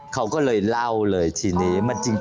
เขาก็เลยเล่าเลยทีนี้มันจริง